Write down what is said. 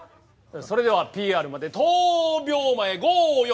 それではＰＲまで１０秒前５４